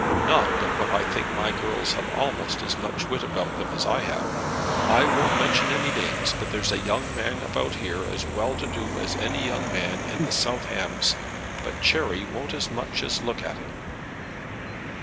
Not but what I think my girls have almost as much wit about them as I have. I won't mention any names, but there's a young man about here as well to do as any young man in the South Hams, but Cherry won't as much as look at him."